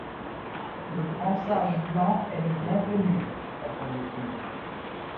Le grand sage blanc est le bien venu! répondit-il.